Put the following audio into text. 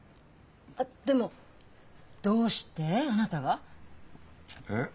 あっでもどうしてあなたが？えっ？